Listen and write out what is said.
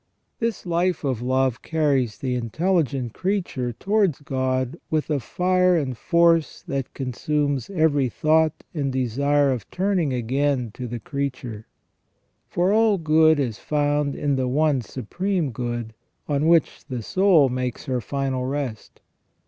This life of love carries the intelligent creature towards God with a fire and force that consumes every thought and desire of turning again to the creature. For all good is found in the One Supreme Good, on which the soul makes her final rest.